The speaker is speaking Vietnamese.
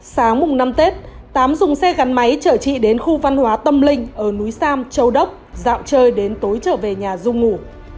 sáng mùng năm tết tám dùng xe gắn máy chở chị đến khu văn hóa tâm linh ở núi sam châu đốc dạo chơi đến tối trở về nhà du ngủ